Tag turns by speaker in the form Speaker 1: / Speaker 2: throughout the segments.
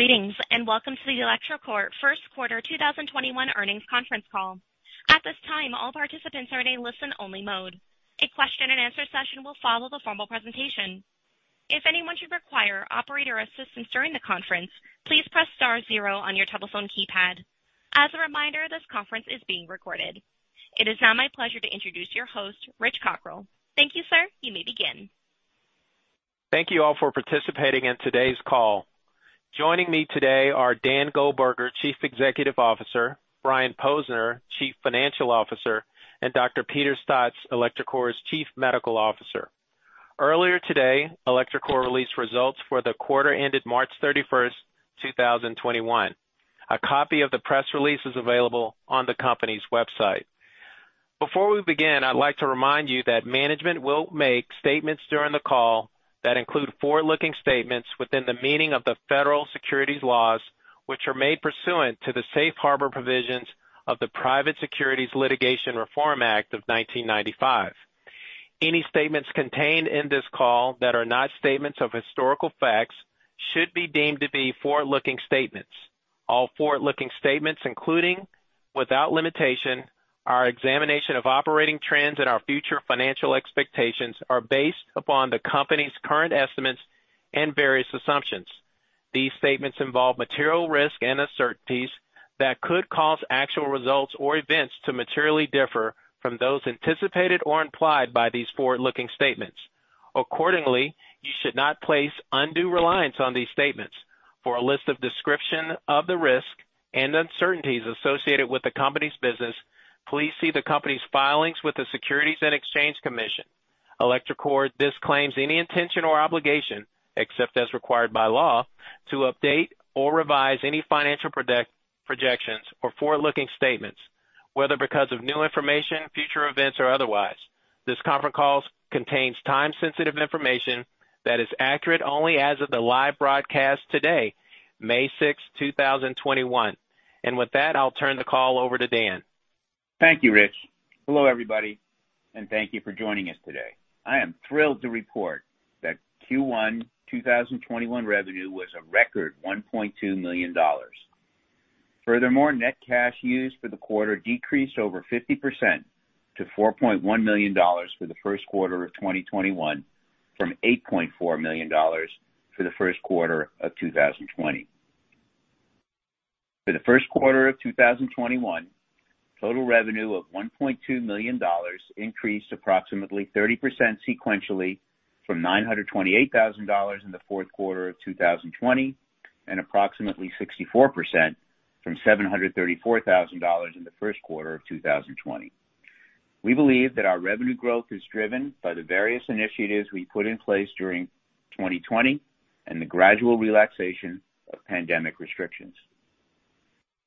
Speaker 1: Greetings, and welcome to the electroCore First Quarter 2021 Earnings Conference Call. At this time, all participants are in a listen-only mode. A question-and-answer session will follow the formal presentation. If anyone should require operator assistance during the conference, please press star zero on your telephone keypad. As a reminder, this conference is being recorded. It is now my pleasure to introduce your host, Rich Cockrell. Thank you, sir. You may begin.
Speaker 2: Thank you all for participating in today's call. Joining me today are Dan Goldberger, Chief Executive Officer, Brian Posner, Chief Financial Officer, and Dr. Peter Staats, electroCore's Chief Medical Officer. Earlier today, electroCore released results for the quarter ended March 31st, 2021. A copy of the press release is available on the company's website. Before we begin, I'd like to remind you that management will make statements during the call that include forward-looking statements within the meaning of the federal securities laws, which are made pursuant to the safe harbor provisions of the Private Securities Litigation Reform Act of 1995. Any statements contained in this call that are not statements of historical facts should be deemed to be forward-looking statements. All forward-looking statements, including, without limitation, our examination of operating trends and our future financial expectations, are based upon the company's current estimates and various assumptions. These statements involve material risk and uncertainties that could cause actual results or events to materially differ from those anticipated or implied by these forward-looking statements. Accordingly, you should not place undue reliance on these statements. For a list of description of the risk and uncertainties associated with the company's business, please see the company's filings with the Securities and Exchange Commission. electroCore disclaims any intention or obligation, except as required by law, to update or revise any financial projections or forward-looking statements, whether because of new information, future events, or otherwise. This conference call contains time-sensitive information that is accurate only as of the live broadcast today, May 6th, 2021. With that, I'll turn the call over to Dan.
Speaker 3: Thank you, Rich. Hello, everybody, and thank you for joining us today. I am thrilled to report that Q1 2021 revenue was a record $1.2 million. Net cash used for the quarter decreased over 50% to $4.1 million for the first quarter of 2021 from $8.4 million for the first quarter of 2020. For the first quarter of 2021, total revenue of $1.2 million increased approximately 30% sequentially from $928,000 in the fourth quarter of 2020 and approximately 64% from $734,000 in the first quarter of 2020. We believe that our revenue growth is driven by the various initiatives we put in place during 2020 and the gradual relaxation of pandemic restrictions.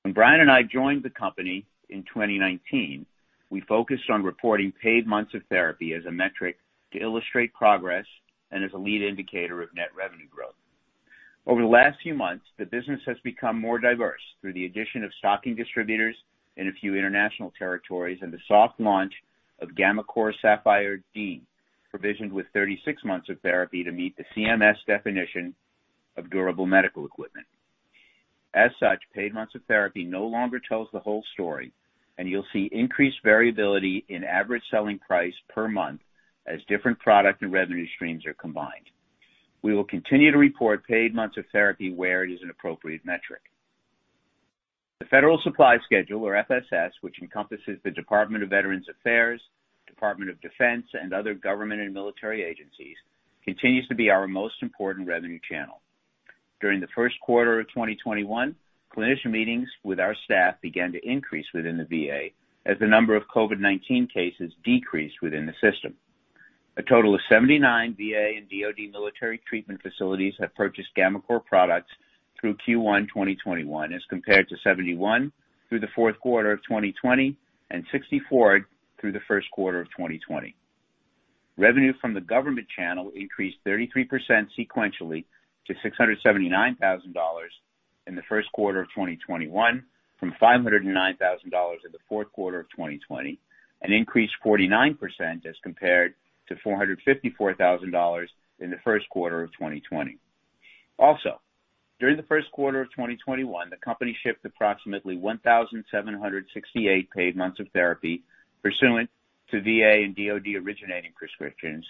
Speaker 3: When Brian and I joined the company in 2019, we focused on reporting paid months of therapy as a metric to illustrate progress and as a lead indicator of net revenue growth. Over the last few months, the business has become more diverse through the addition of stocking distributors in a few international territories and the soft launch of gammaCore Sapphire D, provisioned with 36 months of therapy to meet the CMS definition of durable medical equipment. Paid months of therapy no longer tells the whole story, and you'll see increased variability in average selling price per month as different product and revenue streams are combined. We will continue to report paid months of therapy where it is an appropriate metric. The Federal Supply Schedule, or FSS, which encompasses the Department of Veterans Affairs, Department of Defense, and other government and military agencies, continues to be our most important revenue channel. During the first quarter of 2021, clinician meetings with our staff began to increase within the VA as the number of COVID-19 cases decreased within the system. A total of 79 VA and DoD military treatment facilities have purchased gammaCore products through Q1 2021 as compared to 71 through the fourth quarter of 2020 and 64 through the first quarter of 2020. Revenue from the government channel increased 33% sequentially to $679,000 in the first quarter of 2021 from $509,000 in the fourth quarter of 2020, an increase 49% as compared to $454,000 in the first quarter of 2020. Also, during the first quarter of 2021, the company shipped approximately 1,768 paid months of therapy pursuant to VA and DoD originating prescriptions,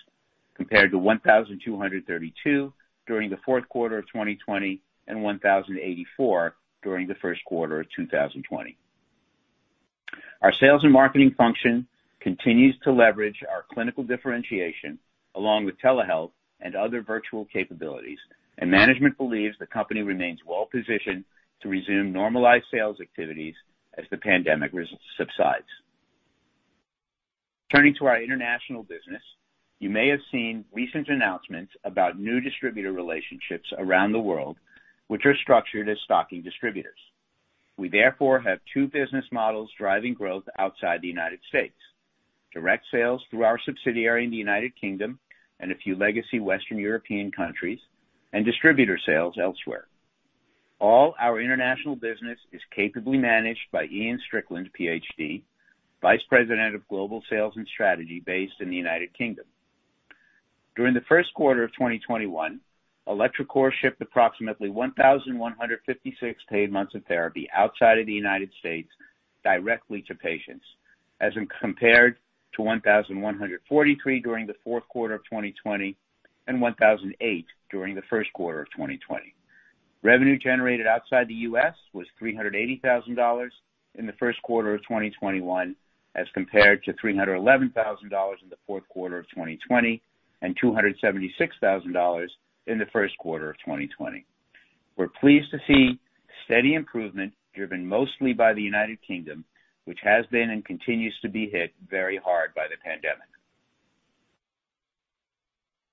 Speaker 3: compared to 1,232 during the fourth quarter of 2020 and 1,084 during the first quarter of 2020. Our sales and marketing function continues to leverage our clinical differentiation, along with telehealth and other virtual capabilities, and management believes the company remains well-positioned to resume normalized sales activities as the pandemic subsides. Turning to our international business, you may have seen recent announcements about new distributor relationships around the world, which are structured as stocking distributors. We therefore have two business models driving growth outside the United States. Direct sales through our subsidiary in the United Kingdom and a few legacy Western European countries, and distributor sales elsewhere. All our international business is capably managed by Iain Strickland, PhD, Vice President of Global Sales and Strategy based in the United Kingdom. During the first quarter of 2021, electroCore shipped approximately 1,156 paid months of therapy outside of the United States directly to patients, as compared to 1,143 during the fourth quarter of 2020 and 1,008 during the first quarter of 2020. Revenue generated outside the U.S. was $380,000 in the first quarter of 2021 as compared to $311,000 in the fourth quarter of 2020 and $276,000 in the first quarter of 2020. We're pleased to see steady improvement driven mostly by the United Kingdom, which has been and continues to be hit very hard by the pandemic.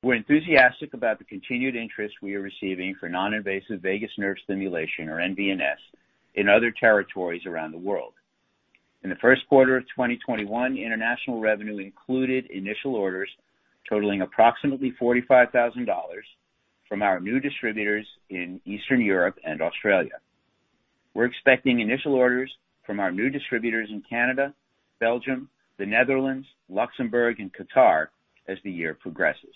Speaker 3: We're enthusiastic about the continued interest we are receiving for non-invasive vagus nerve stimulation, or nVNS, in other territories around the world. In the first quarter of 2021, international revenue included initial orders totaling approximately $45,000 from our new distributors in Eastern Europe and Australia. We're expecting initial orders from our new distributors in Canada, Belgium, the Netherlands, Luxembourg, and Qatar as the year progresses.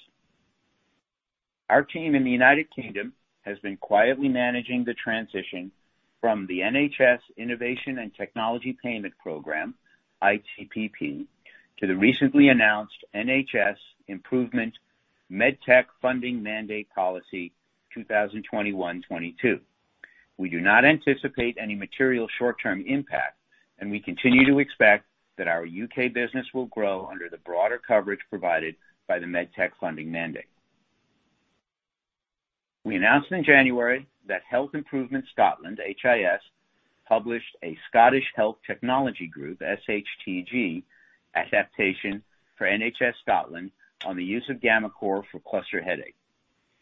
Speaker 3: Our team in the United Kingdom has been quietly managing the transition from the NHS Innovation and Technology Payment Programme, ITPP, to the recently announced NHS Improvement MedTech Funding Mandate policy 2021/2022. We do not anticipate any material short-term impact. We continue to expect that our U.K. business will grow under the broader coverage provided by the MedTech Funding Mandate. We announced in January that Healthcare Improvement Scotland, HIS, published a Scottish Health Technologies Group, SHTG, adaptation for NHS Scotland on the use of gammaCore for cluster headache.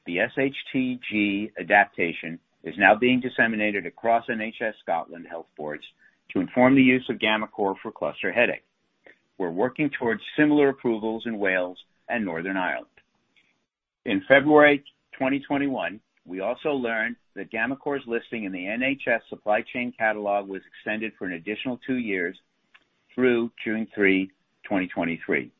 Speaker 3: The SHTG adaptation is now being disseminated across NHS Scotland health boards to inform the use of gammaCore for cluster headache. We're working towards similar approvals in Wales and Northern Ireland. In February 2021, we also learned that gammaCore's listing in the NHS Supply Chain catalog was extended for an additional two years through June 3, 2023.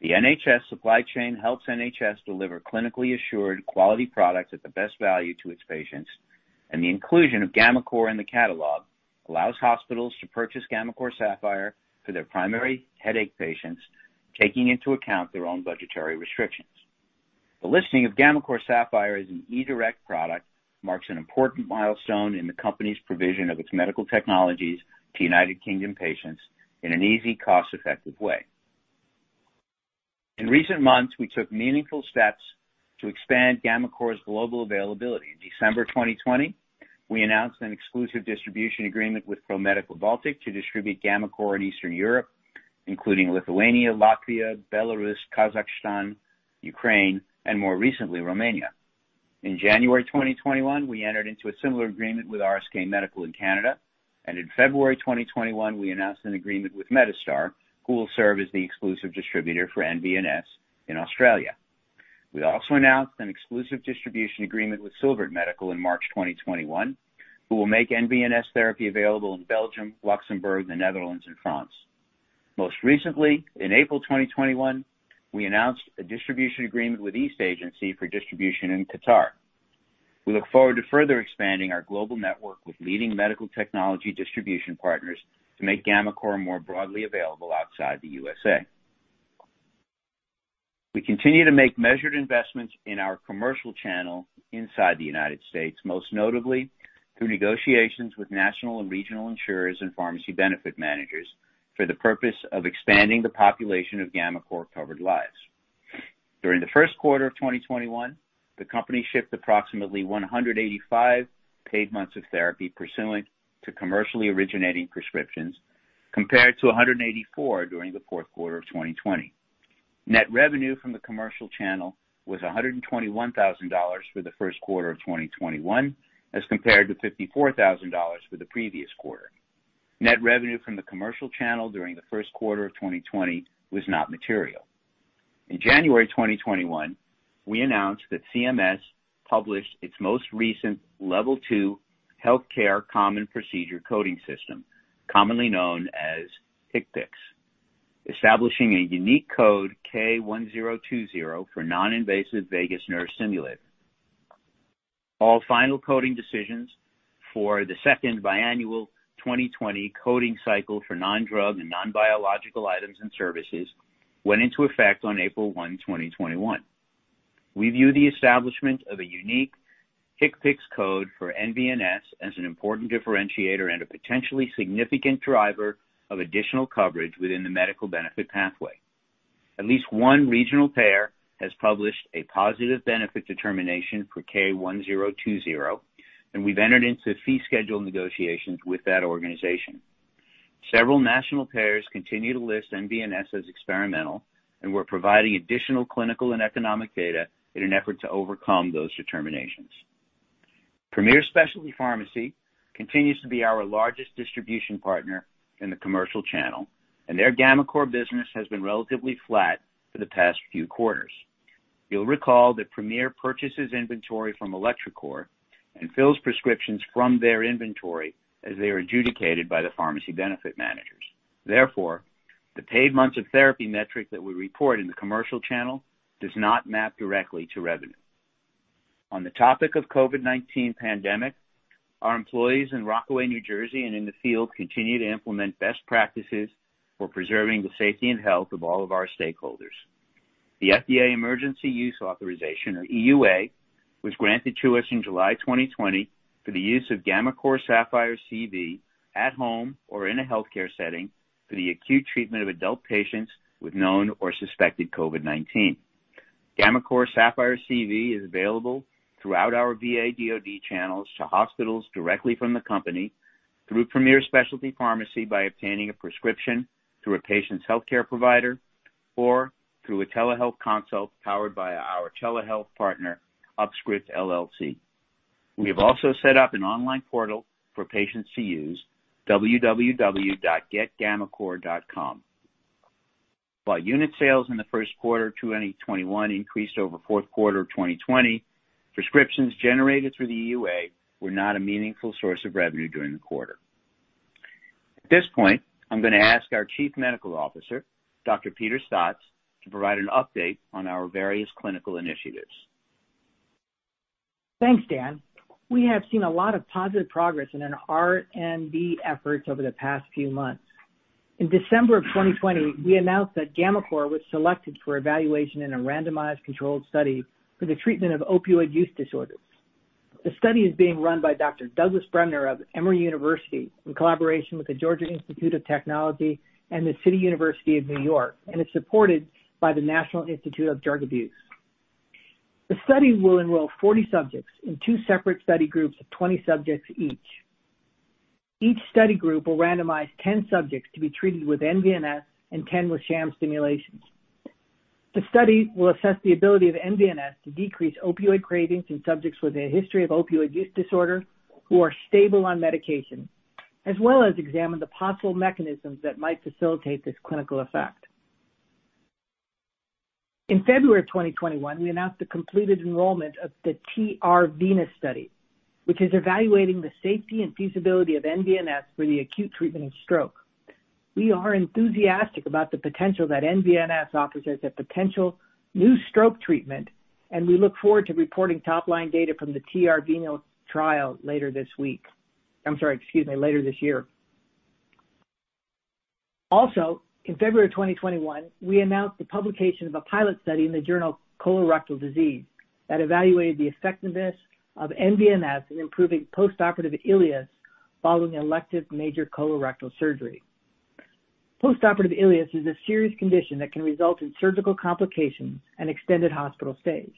Speaker 3: The NHS Supply Chain helps NHS deliver clinically assured quality products at the best value to its patients. The inclusion of gammaCore in the catalog allows hospitals to purchase gammaCore Sapphire for their primary headache patients, taking into account their own budgetary restrictions. The listing of gammaCore Sapphire as an eDirect product marks an important milestone in the company's provision of its medical technologies to United Kingdom patients in an easy, cost-effective way. In recent months, we took meaningful steps to expand gammaCore's global availability. In December 2020, we announced an exclusive distribution agreement with Pro Medical Baltic to distribute gammaCore in Eastern Europe, including Lithuania, Latvia, Belarus, Kazakhstan, Ukraine, and more recently, Romania. In January 2021, we entered into a similar agreement with RSK Medical in Canada. In February 2021, we announced an agreement with Medistar, who will serve as the exclusive distributor for nVNS in Australia. We also announced an exclusive distribution agreement with Silvert Medical in March 2021, who will make nVNS therapy available in Belgium, Luxembourg, the Netherlands, and France. Most recently, in April 2021, we announced a distribution agreement with East Agency for distribution in Qatar. We look forward to further expanding our global network with leading medical technology distribution partners to make gammaCore more broadly available outside the U.S.A. We continue to make measured investments in our commercial channel inside the United States, most notably through negotiations with national and regional insurers and pharmacy benefit managers for the purpose of expanding the population of gammaCore covered lives. During the first quarter of 2021, the company shipped approximately 185 paid months of therapy pursuant to commercially originating prescriptions, compared to 184 during the fourth quarter of 2020. Net revenue from the commercial channel was $121,000 for the first quarter of 2021 as compared to $54,000 for the previous quarter. Net revenue from the commercial channel during the first quarter of 2020 was not material. In January 2021, we announced that CMS published its most recent Level II Healthcare Common Procedure Coding System, commonly known as HCPCS, establishing a unique code, K1020, for non-invasive vagus nerve stimulator. All final coding decisions for the second biannual 2020 coding cycle for non-drug and non-biological items and services went into effect on April 1, 2021. We view the establishment of a unique HCPCS code for nVNS as an important differentiator and a potentially significant driver of additional coverage within the medical benefit pathway. At least one regional payer has published a positive benefit determination for K1020, and we've entered into fee schedule negotiations with that organization. Several national payers continue to list nVNS as experimental, and we're providing additional clinical and economic data in an effort to overcome those determinations. Premier Specialty Pharmacy continues to be our largest distribution partner in the commercial channel, and their gammaCore business has been relatively flat for the past few quarters. You'll recall that Premier purchases inventory from electroCore and fills prescriptions from their inventory as they are adjudicated by the pharmacy benefit manager. Therefore, the paid months of therapy metric that we report in the commercial channel does not map directly to revenue. On the topic of COVID-19 pandemic, our employees in Rockaway, New Jersey, and in the field continue to implement best practices for preserving the safety and health of all of our stakeholders. The FDA Emergency Use Authorization, or EUA, was granted to us in July 2020 for the use of gammaCore Sapphire CV at home or in a healthcare setting for the acute treatment of adult patients with known or suspected COVID-19. GammaCore Sapphire CV is available throughout our VA DoD channels to hospitals directly from the company through Premier Specialty Pharmacy by obtaining a prescription through a patient's healthcare provider or through a telehealth consult powered by our telehealth partner, UpScript, LLC. We have also set up an online portal for patients to use, www.getgammacore.com. While unit sales in the first quarter 2021 increased over fourth quarter 2020, prescriptions generated through the EUA were not a meaningful source of revenue during the quarter. At this point, I'm going to ask our Chief Medical Officer, Dr. Peter Staats, to provide an update on our various clinical initiatives.
Speaker 4: Thanks, Dan. We have seen a lot of positive progress in our R&D efforts over the past few months. In December of 2020, we announced that gammaCore was selected for evaluation in a randomized controlled study for the treatment of opioid use disorders. The study is being run by Dr. Douglas Bremner of Emory University in collaboration with the Georgia Institute of Technology and the City University of New York, and is supported by the National Institute on Drug Abuse. The study will enroll 40 subjects in two separate study groups of 20 subjects each. Each study group will randomize 10 subjects to be treated with nVNS and 10 with sham stimulations. The study will assess the ability of nVNS to decrease opioid cravings in subjects with a history of opioid use disorder who are stable on medication, as well as examine the possible mechanisms that might facilitate this clinical effect. In February of 2021, we announced the completed enrollment of the TR-VENUS study, which is evaluating the safety and feasibility of nVNS for the acute treatment of stroke. We are enthusiastic about the potential that nVNS offers as a potential new stroke treatment, and we look forward to reporting top-line data from the TR-VENUS trial later this week. I'm sorry, excuse me, later this year. Also, in February of 2021, we announced the publication of a pilot study in the journal Colorectal Disease that evaluated the effectiveness of nVNS in improving postoperative ileus following elective major colorectal surgery. Postoperative ileus is a serious condition that can result in surgical complications and extended hospital stays.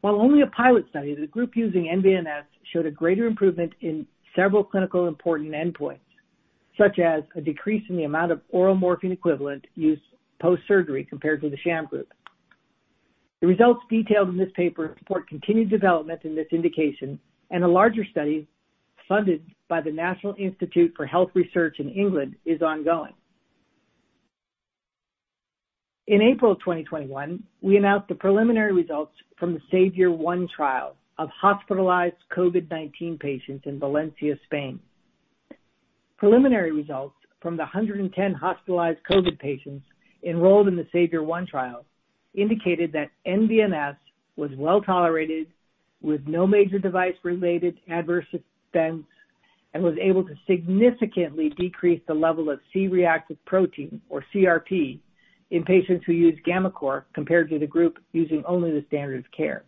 Speaker 4: While only a pilot study, the group using nVNS showed a greater improvement in several clinical important endpoints, such as a decrease in the amount of oral morphine equivalent used post-surgery compared to the sham group. The results detailed in this paper support continued development in this indication, and a larger study funded by the National Institute for Health and Care Research in England is ongoing. In April of 2021, we announced the preliminary results from the SAVIOR-1 trial of hospitalized COVID-19 patients in Valencia, Spain. Preliminary results from the 110 hospitalized COVID patients enrolled in the SAVIOR-1 trial indicated that nVNS was well-tolerated, with no major device-related adverse events, and was able to significantly decrease the level of C-reactive protein, or CRP, in patients who used gammaCore compared to the group using only the standard of care.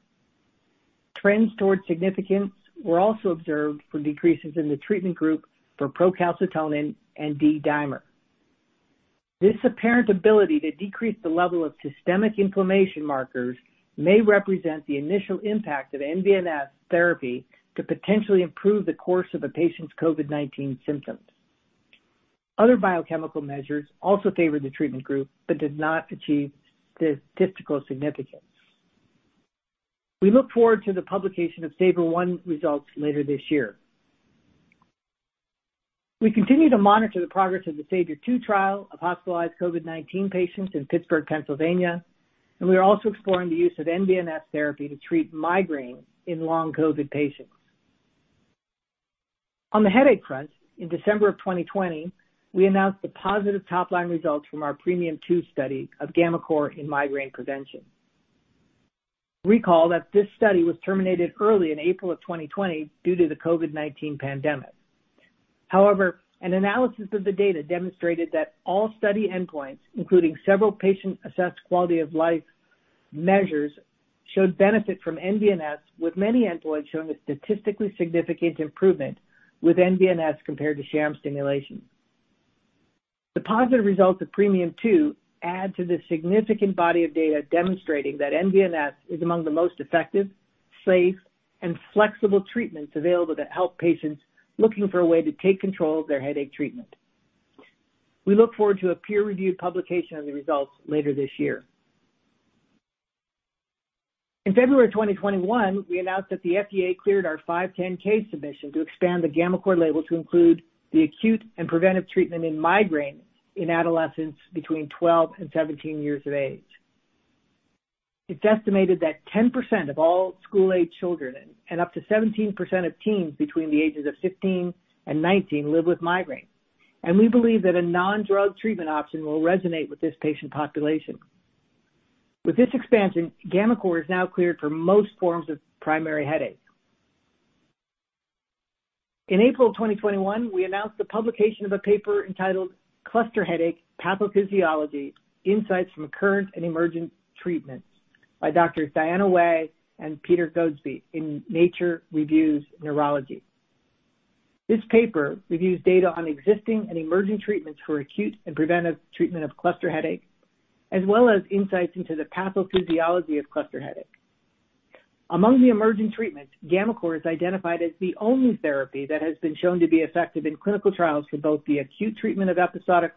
Speaker 4: Trends towards significance were also observed for decreases in the treatment group for procalcitonin and D-dimer. This apparent ability to decrease the level of systemic inflammation markers may represent the initial impact of nVNS therapy to potentially improve the course of a patient's COVID-19 symptoms. Other biochemical measures also favored the treatment group but did not achieve statistical significance. We look forward to the publication of SAVIOR-1 results later this year. We continue to monitor the progress of the SAVIOR-2 trial of hospitalized COVID-19 patients in Pittsburgh, Pennsylvania, and we are also exploring the use of nVNS therapy to treat migraine in long COVID patients. On the headache front, in December of 2020, we announced the positive top-line results from our PREMIUM II study of gammaCore in migraine prevention. Recall that this study was terminated early in April of 2020 due to the COVID-19 pandemic. An analysis of the data demonstrated that all study endpoints, including several patient-assessed quality of life measures, showed benefit from nVNS, with many endpoints showing a statistically significant improvement with nVNS compared to sham stimulation. The positive results of PREMIUM II add to the significant body of data demonstrating that nVNS is among the most effective, safe, and flexible treatments available to help patients looking for a way to take control of their headache treatment. We look forward to a peer-reviewed publication of the results later this year. In February of 2021, we announced that the FDA cleared our 510(k) submission to expand the gammaCore label to include the acute and preventive treatment in migraine in adolescents between 12 and 17 years of age. It's estimated that 10% of all school-aged children and up to 17% of teens between the ages of 15 and 19 live with migraine. We believe that a non-drug treatment option will resonate with this patient population. With this expansion, gammaCore is now cleared for most forms of primary headache. In April 2021, we announced the publication of a paper entitled "Cluster Headache Pathophysiology: Insights from Current and Emerging Treatments" by Dr. Diana Wei and Peter Goadsby in Nature Reviews Neurology. This paper reviews data on existing and emerging treatments for acute and preventive treatment of cluster headache, as well as insights into the pathophysiology of cluster headache. Among the emerging treatments, gammaCore is identified as the only therapy that has been shown to be effective in clinical trials for both the acute treatment of episodic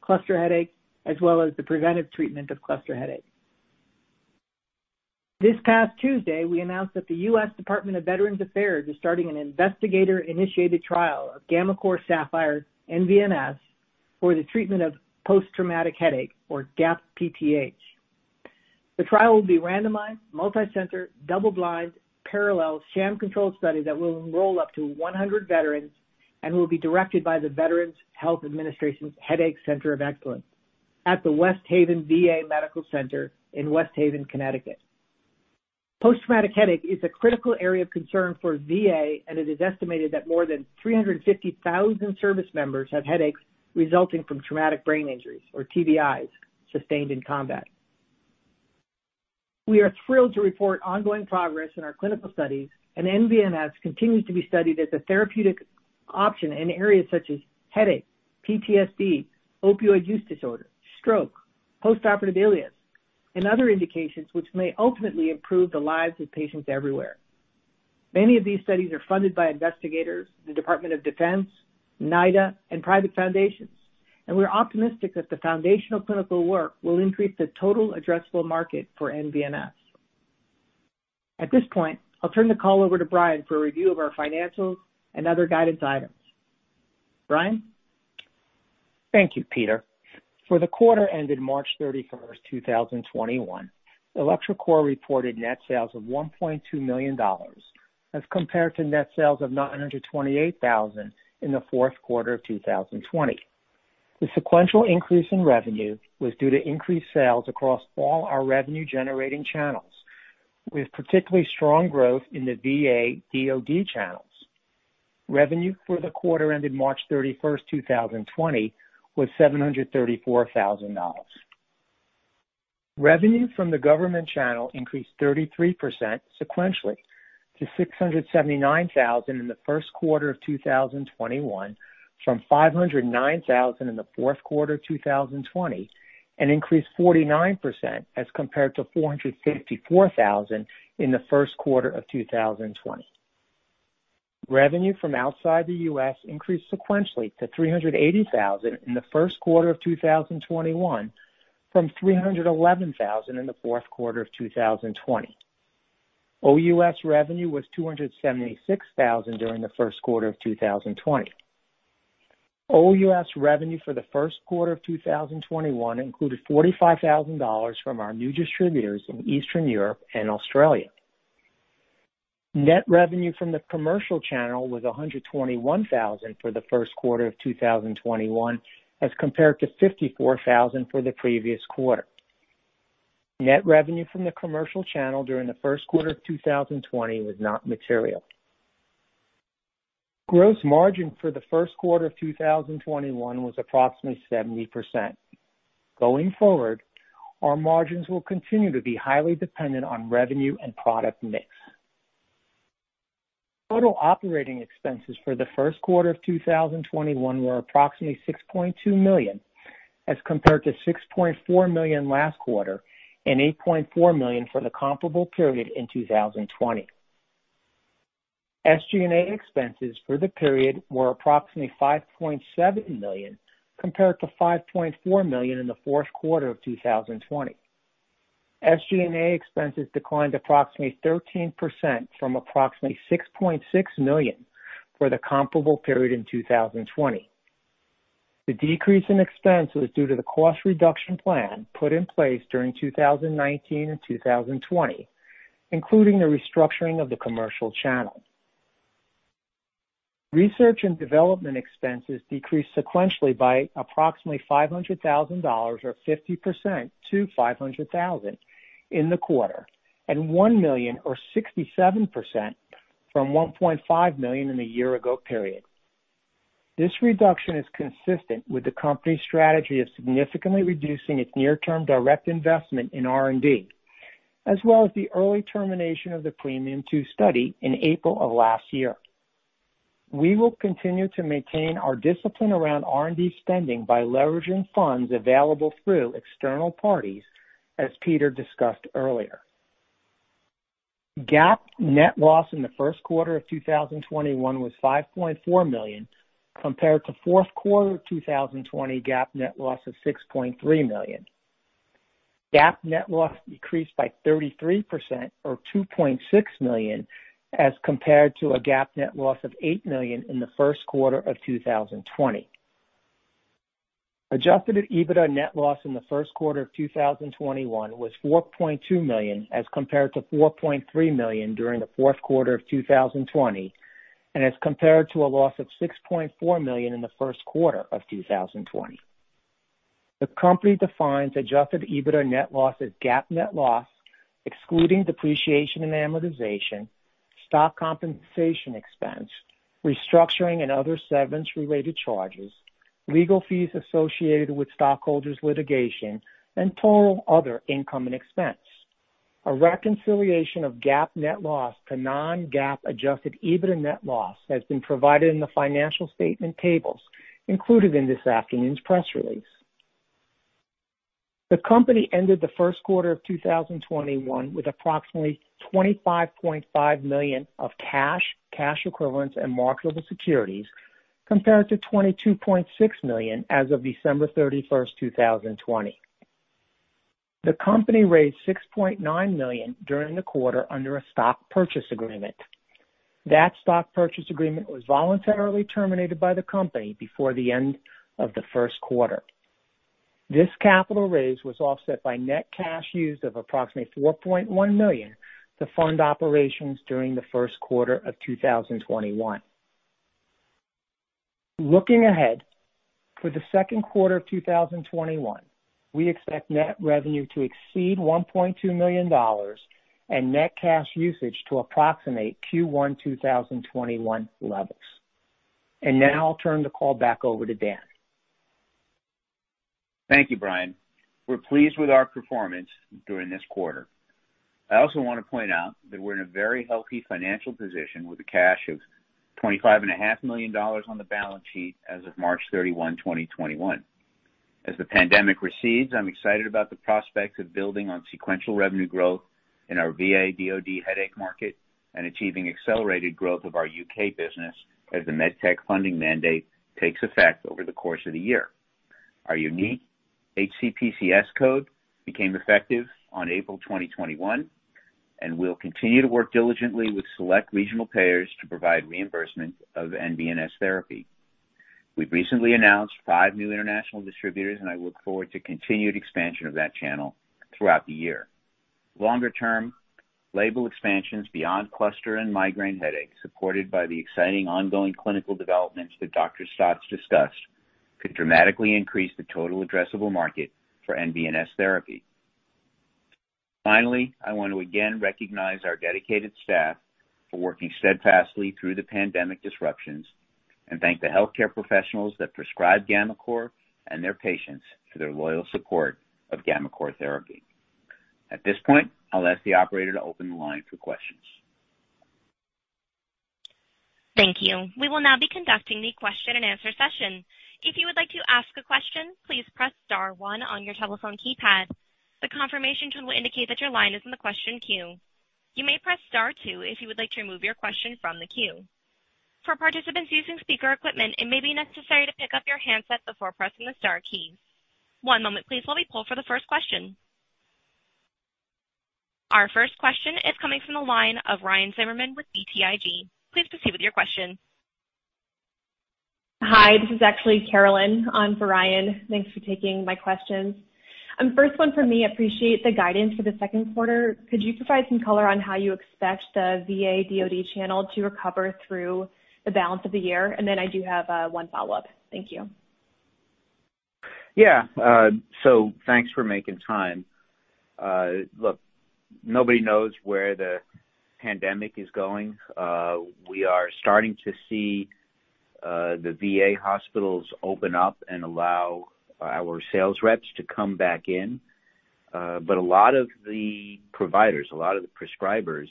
Speaker 4: cluster headache, as well as the preventive treatment of cluster headache. This past Tuesday, we announced that the U.S. Department of Veterans Affairs is starting an investigator-initiated trial of gammaCore Sapphire nVNS for the treatment of post-traumatic headache or GAP-PTH. The trial will be randomized, multi-center, double-blind, parallel, sham-controlled study that will enroll up to 100 veterans and will be directed by the Veterans Health Administration's Headache Center of Excellence at the West Haven VA Medical Center in West Haven, Connecticut. Post-traumatic headache is a critical area of concern for VA, and it is estimated that more than 350,000 service members have headaches resulting from traumatic brain injuries, or TBIs, sustained in combat. We are thrilled to report ongoing progress in our clinical studies, and nVNS continues to be studied as a therapeutic option in areas such as headache, PTSD, opioid use disorder, stroke, postoperative ileus, and other indications which may ultimately improve the lives of patients everywhere. Many of these studies are funded by investigators, the Department of Defense, NIDA, and private foundations, and we're optimistic that the foundational clinical work will increase the total addressable market for nVNS. At this point, I'll turn the call over to Brian for a review of our financials and other guidance items. Brian?
Speaker 5: Thank you, Peter. For the quarter ended March 31st, 2021, electroCore reported net sales of $1.2 million as compared to net sales of $928,000 in the fourth quarter of 2020. The sequential increase in revenue was due to increased sales across all our revenue-generating channels, with particularly strong growth in the VA/DOD channels. Revenue for the quarter ended March 31st, 2020, was $734,000. Revenue from the government channel increased 33% sequentially to $679,000 in the first quarter of 2021 from $509,000 in the fourth quarter of 2020, and increased 49% as compared to $454,000 in the first quarter of 2020. Revenue from outside the U.S. increased sequentially to $380,000 in the first quarter of 2021 from $311,000 in the fourth quarter of 2020. OUS revenue was $276,000 during the first quarter of 2020. OUS revenue for the first quarter of 2021 included $45,000 from our new distributors in Eastern Europe and Australia. Net revenue from the commercial channel was $121,000 for the first quarter of 2021 as compared to $54,000 for the previous quarter. Net revenue from the commercial channel during the first quarter of 2020 was not material. Gross margin for the first quarter of 2021 was approximately 70%. Going forward, our margins will continue to be highly dependent on revenue and product mix. Total operating expenses for the first quarter of 2021 were approximately $6.2 million, as compared to $6.4 million last quarter and $8.4 million for the comparable period in 2020. SG&A expenses for the period were approximately $5.7 million, compared to $5.4 million in the fourth quarter of 2020. SG&A expenses declined approximately 13% from approximately $6.6 million for the comparable period in 2020. The decrease in expense was due to the cost reduction plan put in place during 2019 and 2020, including the restructuring of the commercial channel. Research and development expenses decreased sequentially by approximately $500,000, or 50%, to $500,000 in the quarter, and $1 million or 67% from $1.5 million in the year-ago period. This reduction is consistent with the company's strategy of significantly reducing its near-term direct investment in R&D, as well as the early termination of the PREMIUM II study in April of last year. We will continue to maintain our discipline around R&D spending by leveraging funds available through external parties, as Peter discussed earlier. GAAP net loss in the first quarter of 2021 was $5.4 million, compared to fourth quarter of 2020 GAAP net loss of $6.3 million. GAAP net loss decreased by 33%, or $2.6 million, as compared to a GAAP net loss of $8 million in the first quarter of 2020. Adjusted EBITDA net loss in the first quarter of 2021 was $4.2 million, as compared to $4.3 million during the fourth quarter of 2020, and as compared to a loss of $6.4 million in the first quarter of 2020. The company defines adjusted EBITDA net loss as GAAP net loss, excluding depreciation and amortization, stock compensation expense, restructuring and other severance-related charges, legal fees associated with stockholders' litigation, and total other income and expense. A reconciliation of GAAP net loss to non-GAAP adjusted EBITDA net loss has been provided in the financial statement tables included in this afternoon's press release. The company ended the first quarter of 2021 with approximately $25.5 million of cash equivalents, and marketable securities, compared to $22.6 million as of December 31st, 2020. The company raised $6.9 million during the quarter under a stock purchase agreement. That stock purchase agreement was voluntarily terminated by the company before the end of the first quarter. This capital raise was offset by net cash used of approximately $4.1 million to fund operations during the first quarter of 2021. Looking ahead, for the second quarter of 2021, we expect net revenue to exceed $1.2 million and net cash usage to approximate Q1 2021 levels. Now I'll turn the call back over to Dan.
Speaker 3: Thank you, Brian. We're pleased with our performance during this quarter. I also want to point out that we're in a very healthy financial position with a cash of $25.5 million on the balance sheet as of March 31, 2021. As the pandemic recedes, I'm excited about the prospects of building on sequential revenue growth in our VA/DoD headache market and achieving accelerated growth of our U.K. business as the MedTech Funding Mandate takes effect over the course of the year. Our unique HCPCS code became effective on April 2021. We'll continue to work diligently with select regional payers to provide reimbursement of nVNS therapy. We've recently announced five new international distributors. I look forward to continued expansion of that channel throughout the year. Longer term, label expansions beyond cluster and migraine headaches, supported by the exciting ongoing clinical developments that Dr. Staats discussed, could dramatically increase the total addressable market for nVNS therapy. Finally, I want to again recognize our dedicated staff for working steadfastly through the pandemic disruptions and thank the healthcare professionals that prescribe gammaCore and their patients for their loyal support of gammaCore therapy. At this point, I'll ask the operator to open the line for questions.
Speaker 1: Thank you. We will now be conducting the question-and-answer session. If you would like to ask a question, please press star one on your telephone keypad. The confirmation tone will indicate that your line is in the question queue. You may press star two if you would like to remove your question from the queue. For participants using speaker equipment, it may be necessary to pick up your handset before pressing the star key. One moment please, while we poll for the first question. Our first question is coming from the line of Ryan Zimmerman with BTIG. Please proceed with your question.
Speaker 6: Hi, this is actually Carolyn. I'm for Ryan. Thanks for taking my questions. First one for me. I appreciate the guidance for the second quarter. Could you provide some color on how you expect the VA/DoD channel to recover through the balance of the year? Then I do have one follow-up. Thank you.
Speaker 3: Yeah. Thanks for making time. Look, nobody knows where the pandemic is going. We are starting to see the VA hospitals open up and allow our sales reps to come back in. A lot of the providers, a lot of the prescribers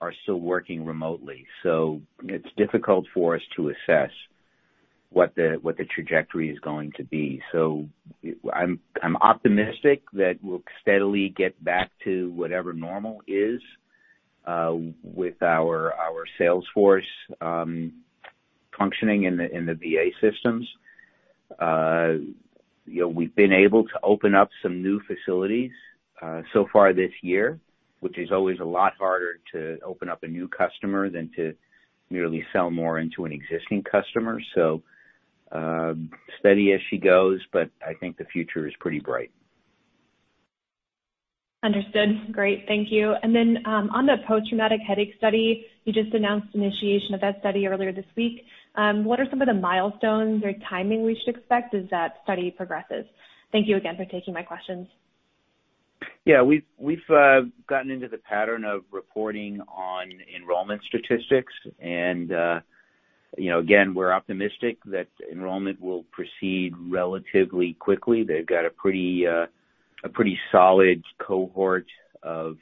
Speaker 3: are still working remotely. It's difficult for us to assess what the trajectory is going to be. I'm optimistic that we'll steadily get back to whatever normal is with our sales force functioning in the VA systems. We've been able to open up some new facilities so far this year, which is always a lot harder to open up a new customer than to merely sell more into an existing customer. Steady as she goes, but I think the future is pretty bright.
Speaker 6: Understood. Great. Thank you. Then, on the post-traumatic headache study, you just announced initiation of that study earlier this week. What are some of the milestones or timing we should expect as that study progresses? Thank you again for taking my questions.
Speaker 3: Yeah. We've gotten into the pattern of reporting on enrollment statistics. Again, we're optimistic that enrollment will proceed relatively quickly. They've got a pretty solid cohort of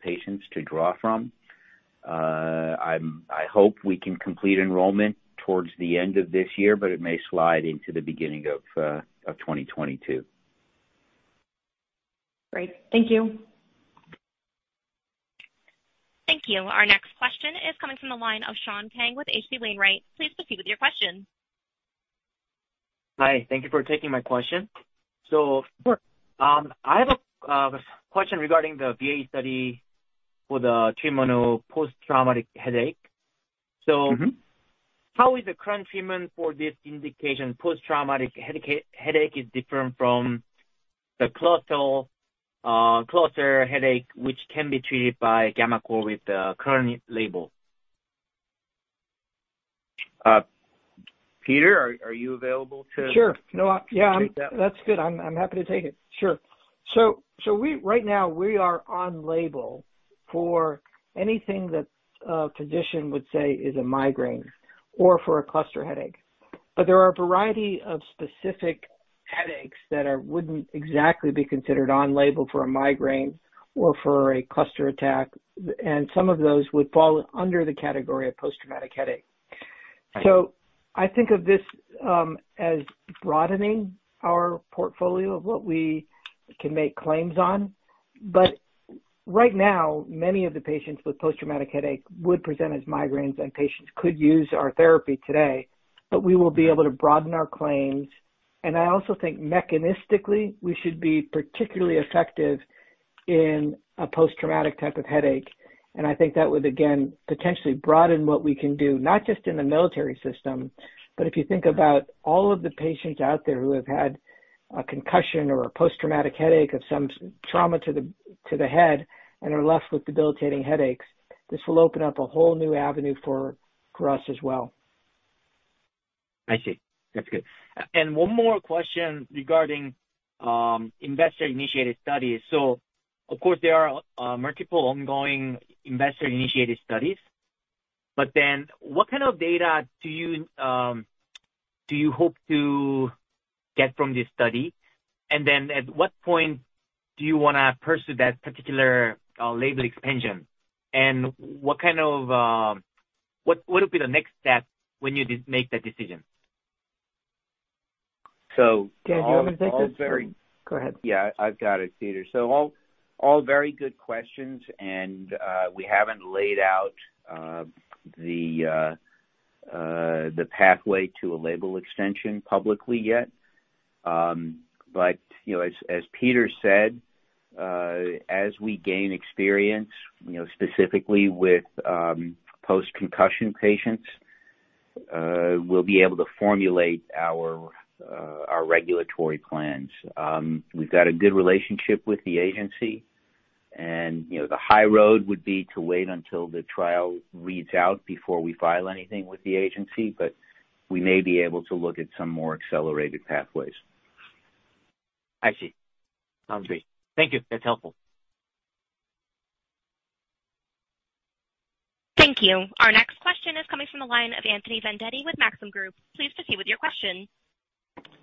Speaker 3: patients to draw from. I hope we can complete enrollment towards the end of this year, but it may slide into the beginning of 2022.
Speaker 6: Great. Thank you.
Speaker 1: Thank you. Our next question is coming from the line of Sean Kang with H.C. Wainwright. Please proceed with your question.
Speaker 7: Hi. Thank you for taking my question.
Speaker 3: Sure.
Speaker 7: I have a question regarding the VA study for the treatment of post-traumatic headache. How is the current treatment for this indication, post-traumatic headache, is different from the cluster headache, which can be treated by gammaCore with the current label?
Speaker 3: Peter, are you available?
Speaker 4: Sure. Yeah.
Speaker 3: Take that.
Speaker 4: That's good. I'm happy to take it. Sure. Right now, we are on label for anything that a physician would say is a migraine or for a cluster headache. There are a variety of specific headaches that wouldn't exactly be considered on label for a migraine or for a cluster attack, and some of those would fall under the category of post-traumatic headache.
Speaker 7: Right.
Speaker 4: I think of this as broadening our portfolio of what we can make claims on. Right now, many of the patients with post-traumatic headache would present as migraines, and patients could use our therapy today, but we will be able to broaden our claims. I also think mechanistically, we should be particularly effective in a post-traumatic type of headache, and I think that would, again, potentially broaden what we can do, not just in the military system, but if you think about all of the patients out there who have had a concussion or a post-traumatic headache of some trauma to the head and are left with debilitating headaches, this will open up a whole new avenue for us as well.
Speaker 7: I see. That's good. One more question regarding investigator-initiated studies. Of course, there are multiple ongoing investigator-initiated studies. What kind of data do you hope to get from this study? At what point do you want to pursue that particular label expansion? What would be the next step when you make that decision?
Speaker 4: Dan, do you want me to take this?
Speaker 3: All very-
Speaker 4: Go ahead.
Speaker 3: Yeah, I've got it, Peter. All very good questions, we haven't laid out the pathway to a label extension publicly yet. As Peter said, as we gain experience, specifically with post-concussion patients, we'll be able to formulate our regulatory plans. We've got a good relationship with the agency, the high road would be to wait until the trial reads out before we file anything with the agency, we may be able to look at some more accelerated pathways.
Speaker 7: I see. Sounds great. Thank you. That is helpful.
Speaker 1: Thank you. Our next question is coming from the line of Anthony Vendetti with Maxim Group. Please proceed with your question.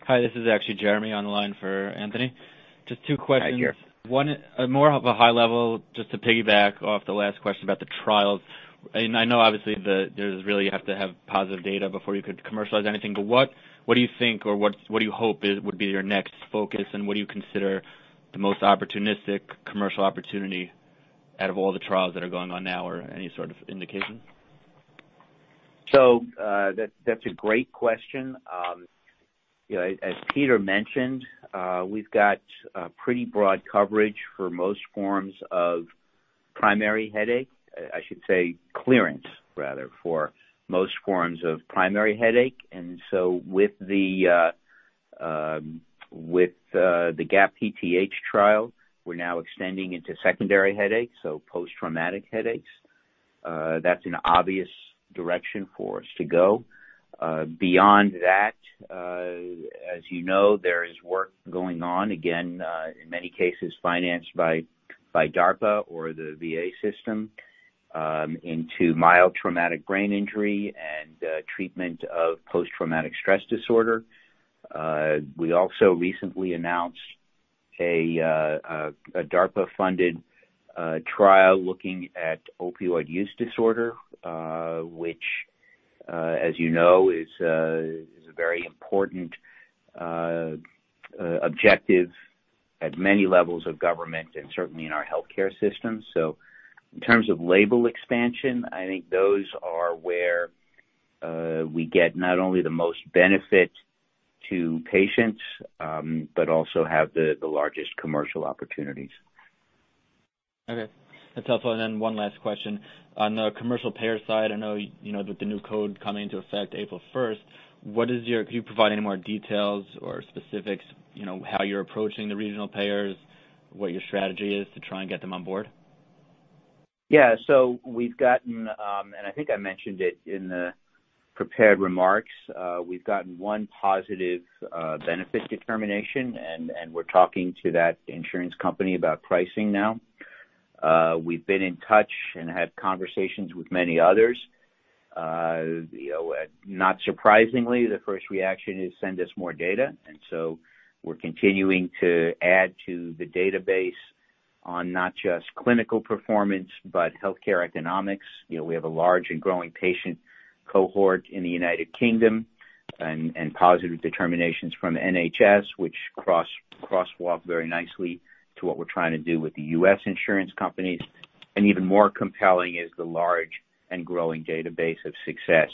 Speaker 8: Hi, this is actually Jeremy on the line for Anthony. Just two questions.
Speaker 3: Hi, Jeremy.
Speaker 8: One, more of a high level, just to piggyback off the last question about the trials. I know obviously you have to have positive data before you could commercialize anything. What do you think or what do you hope would be your next focus, and what do you consider the most opportunistic commercial opportunity out of all the trials that are going on now or any sort of indication?
Speaker 3: That's a great question. As Peter mentioned, we've got pretty broad coverage for most forms of primary headache. I should say clearance, rather, for most forms of primary headache. With the GAP-PTH trial, we're now extending into secondary headaches, so post-traumatic headaches. That's an obvious direction for us to go. Beyond that, as you know, there is work going on, again, in many cases financed by DARPA or the VA system, into mild traumatic brain injury and treatment of post-traumatic stress disorder. We also recently announced a DARPA-funded trial looking at opioid use disorder, which, as you know, is a very important objective at many levels of government and certainly in our healthcare system. In terms of label expansion, I think those are where we get not only the most benefit to patients, but also have the largest commercial opportunities.
Speaker 8: Okay. That's helpful. One last question. On the commercial payer side, I know that the new code coming into effect April 1st, can you provide any more details or specifics, how you're approaching the regional payers, what your strategy is to try and get them on board?
Speaker 3: Yeah. We've gotten, and I think I mentioned it in the prepared remarks, we've gotten one positive benefit determination, and we're talking to that insurance company about pricing now. We've been in touch and had conversations with many others. Not surprisingly, the first reaction is, "Send us more data." We're continuing to add to the database on not just clinical performance, but healthcare economics. We have a large and growing patient cohort in the United Kingdom and positive determinations from NHS, which crosswalk very nicely to what we're trying to do with the U.S. insurance companies. Even more compelling is the large and growing database of success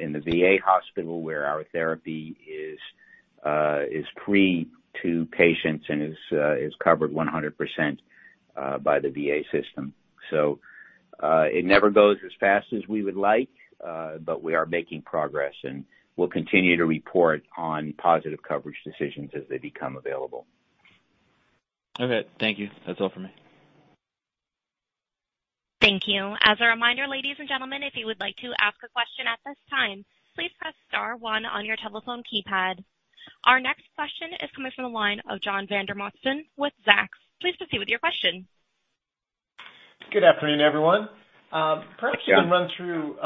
Speaker 3: in the VA hospital where our therapy is free to patients and is covered 100% by the VA system. It never goes as fast as we would like, but we are making progress, and we'll continue to report on positive coverage decisions as they become available.
Speaker 8: Okay. Thank you. That's all for me.
Speaker 1: Thank you. As a reminder, ladies and gentlemen, if you would like to ask a question at this time, please press star one on your telephone keypad. Our next question is coming from the line of John Vandermosten with Zacks. Please proceed with your question.
Speaker 9: Good afternoon, everyone.
Speaker 3: Good afternoon, John.
Speaker 9: Perhaps you can run through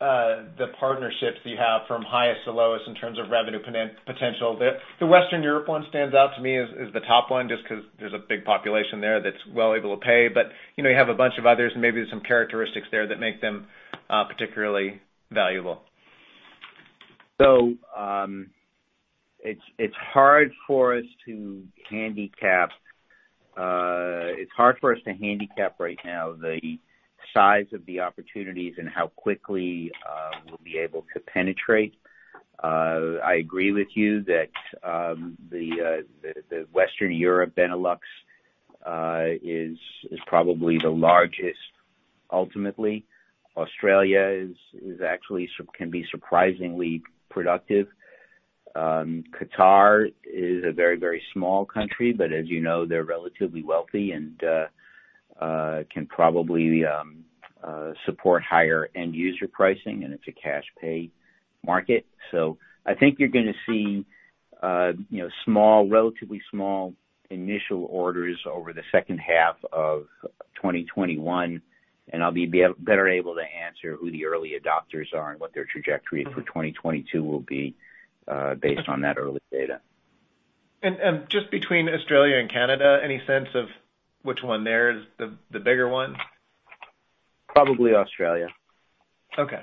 Speaker 9: the partnerships you have from highest to lowest in terms of revenue potential. The Western Europe one stands out to me as the top one, just because there's a big population there that's well able to pay. You have a bunch of others, and maybe there's some characteristics there that make them particularly valuable.
Speaker 3: It's hard for us to handicap right now the size of the opportunities and how quickly we'll be able to penetrate. I agree with you that the Western Europe, Benelux, is probably the largest ultimately. Australia actually can be surprisingly productive. Qatar is a very small country, but as you know, they're relatively wealthy and can probably support higher end user pricing, and it's a cash pay market. I think you're going to see relatively small initial orders over the second half of 2021, and I'll be better able to answer who the early adopters are and what their trajectory for 2022 will be based on that early data.
Speaker 9: Just between Australia and Canada, any sense of which one there is the bigger one?
Speaker 3: Probably Australia.
Speaker 9: Okay.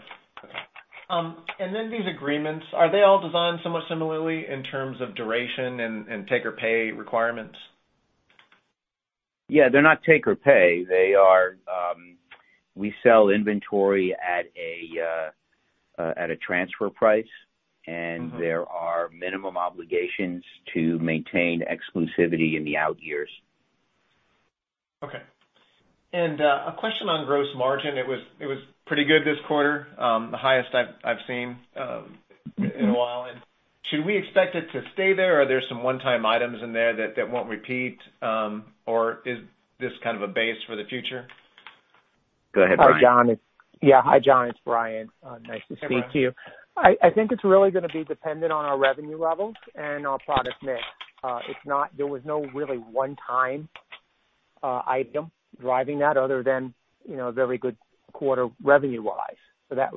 Speaker 9: These agreements, are they all designed somewhat similarly in terms of duration and take-or-pay requirements?
Speaker 3: Yeah, they're not take-or-pay. We sell inventory at a transfer price, and there are minimum obligations to maintain exclusivity in the out years.
Speaker 9: Okay. A question on gross margin. It was pretty good this quarter. The highest I've seen in a while. Should we expect it to stay there, or are there some one-time items in there that won't repeat? Is this kind of a base for the future?
Speaker 3: Go ahead, Brian.
Speaker 5: Yeah. Hi, John, it's Brian. Nice to speak to you.
Speaker 9: Hey, Brian.
Speaker 5: I think it's really going to be dependent on our revenue levels and our product mix. There was no really one time item driving that other than a very good quarter revenue wise. That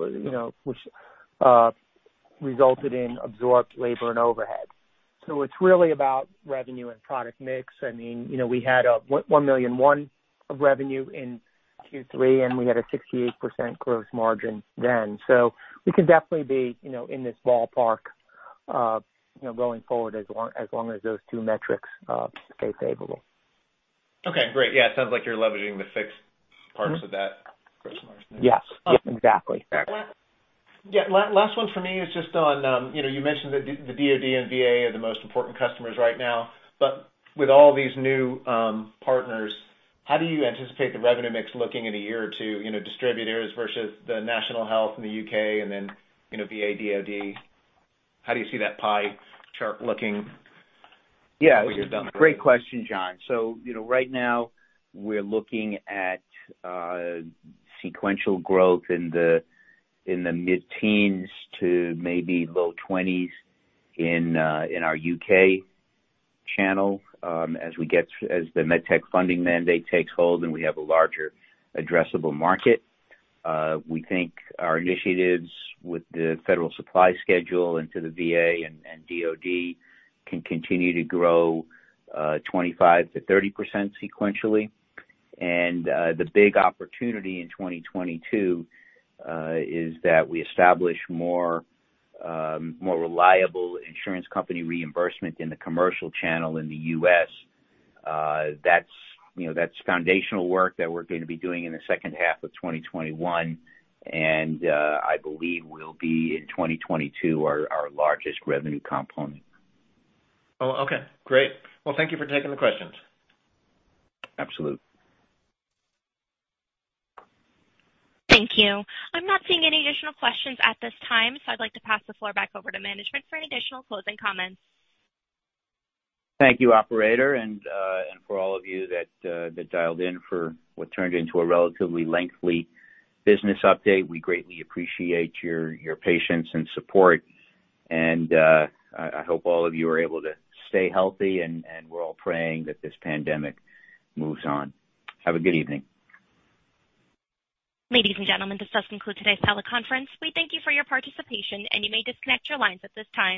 Speaker 5: resulted in absorbed labor and overhead. It's really about revenue and product mix. We had a $1.1 million of revenue in Q3, and we had a 68% gross margin then. We can definitely be in this ballpark going forward, as long as those two metrics stay favorable.
Speaker 9: Okay, great. Yeah, it sounds like you're leveraging the fixed parts of that gross margin.
Speaker 5: Yes, exactly.
Speaker 9: Yeah. Last one for me is just on, you mentioned the DoD and VA are the most important customers right now. With all these new partners, how do you anticipate the revenue mix looking in a year or two, distributors versus the national health in the U.K., and then VA, DoD? How do you see that pie chart looking when you're done?
Speaker 3: Yeah. Great question, John. Right now we're looking at sequential growth in the mid-teens to maybe low 20s in our U.K. channel. As the MedTech Funding Mandate takes hold and we have a larger addressable market, we think our initiatives with the Federal Supply Schedule into the VA and DoD can continue to grow 25%-30% sequentially. The big opportunity in 2022 is that we establish more reliable insurance company reimbursement in the commercial channel in the U.S. That's foundational work that we're going to be doing in the second half of 2021, and I believe will be in 2022 our largest revenue component.
Speaker 9: Oh, okay. Great. Well, thank you for taking the questions.
Speaker 3: Absolutely.
Speaker 1: Thank you. I'm not seeing any additional questions at this time, so I'd like to pass the floor back over to management for any additional closing comments.
Speaker 3: Thank you, operator, and for all of you that dialed in for what turned into a relatively lengthy business update. We greatly appreciate your patience and support, and I hope all of you are able to stay healthy, and we're all praying that this pandemic moves on. Have a good evening.
Speaker 1: Ladies and gentlemen, this does conclude today's teleconference. We thank you for your participation, and you may disconnect your lines at this time.